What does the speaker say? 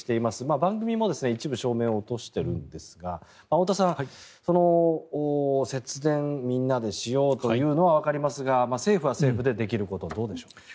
番組も一部照明を落としているんですが太田さん、節電みんなでしようというのはわかりますが政府は政府でできることどうでしょう。